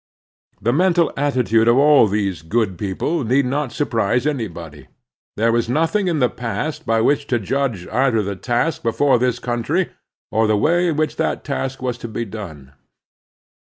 The mental attitude of all these good people need not surprise anybody. There was nothing in the past by which to judge either the task before this country, or the way in which that task was to be done.